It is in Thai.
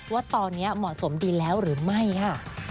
ว่าตอนนี้เหมาะสมดีแล้วหรือไม่ค่ะ